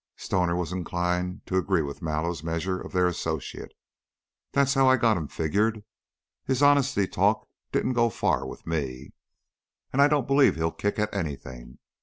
Stoner was inclined to agree with Mallow's measure of their associate. "That's how I got him figgered. His honesty talk didn't go far with me, and I don't believe he'll kick at anything.